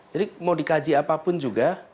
jadi mau dikaji apapun juga